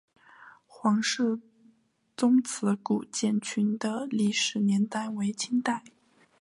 黄氏宗祠古建群的历史年代为清代。